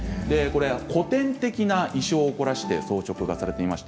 古典的な意匠を凝らして装飾されています。